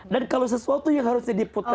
dan kalau sesuatu yang harusnya diputar